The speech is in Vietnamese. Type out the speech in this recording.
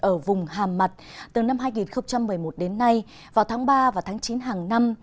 ở vùng hàm mặt từ năm hai nghìn một mươi một đến nay vào tháng ba và tháng chín hàng năm